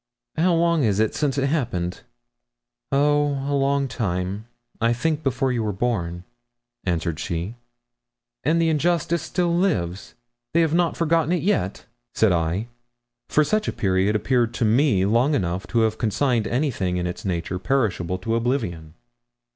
'How long is it since it happened?' 'Oh, a long time; I think before you were born,' answered she. 'And the injustice still lives they have not forgotten it yet?' said I, for such a period appeared to me long enough to have consigned anything in its nature perishable to oblivion.